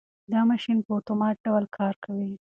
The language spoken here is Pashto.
دا ماشین په اتومات ډول کار کوي.